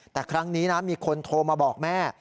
แต่ครั้งนี้นะมีคนโทรมาบอกแม่